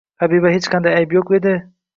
Habibda hech qanday ayb yoʻq edi.